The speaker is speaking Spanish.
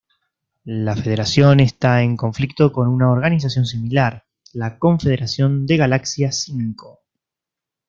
La Federación está en conflicto con una organización similar, la confederación de Galaxia Cinco.